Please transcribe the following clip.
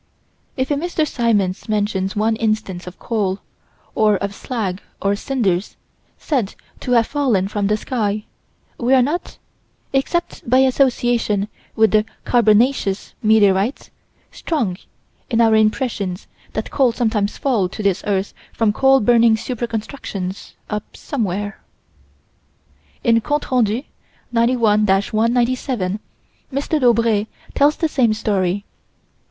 If a Mr. Symons mentions one instance of coal, or of slag or cinders, said to have fallen from the sky, we are not except by association with the "carbonaceous" meteorites strong in our impression that coal sometimes falls to this earth from coal burning super constructions up somewhere In Comptes Rendus, 91 197, M. Daubrée tells the same story.